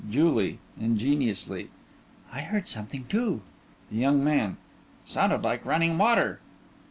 JULIE: (Ingeniously) I heard something, too. THE YOUNG MAN: Sounded like running water.